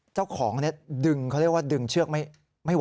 เจ้าของดึงเขาเรียกว่าดึงเชือกไม่ไหว